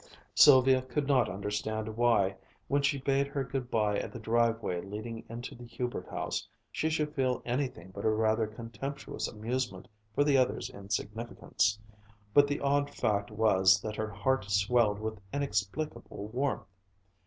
Sylvia could not understand why, when she bade her good bye at the driveway leading into the Hubert house, she should feel anything but a rather contemptuous amusement for the other's insignificance, but the odd fact was that her heart swelled with inexplicable warmth.